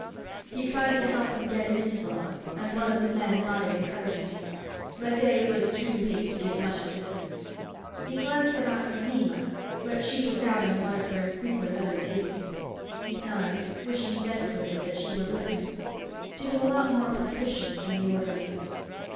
He tried to help them get him into the lung, and one of the men nodded encouragingly. But Dave was too weak to give much assistance. He glanced about for Nema, but she was out on one of her infrequent other duties. He sighed, wishing desperately that she were with him. She was a lot more proficient than the orderlies.